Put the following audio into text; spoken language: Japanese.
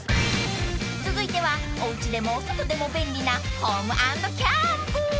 ［続いてはおうちでもお外でも便利なホーム＆キャンプ］